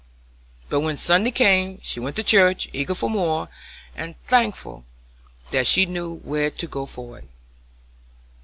But when Sunday came she went to church, eager for more, and thankful that she knew where to go for it.